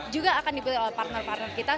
juga akan dipilih oleh partner partner kita